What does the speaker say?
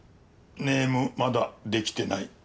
ネームまだできてない。